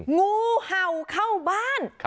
งูเห่าเข้าบ้าน